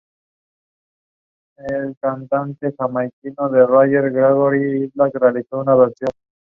Mostrando su impresionante versatilidad, Chandler ganó una carrera en la nueva serie.